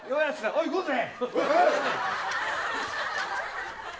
おい行こうぜ！